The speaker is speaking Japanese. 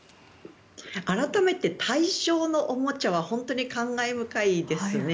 改めて大正のおもちゃは本当に感慨深いですね。